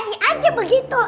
dari tadi aja begitu